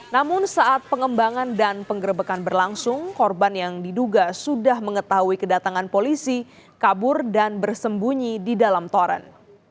namun saat pengembangan dan penggerbekan berlangsung korban yang diduga sudah mengetahui kedatangan polisi kabur dan bersembunyi di dalam toren